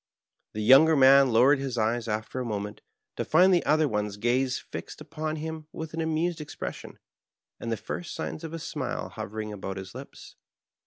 The younger man lowered his eyes after a moment, to find the other one's gaze fixed upon him with an amused expression, and the first signs of a smile hovering about his lips.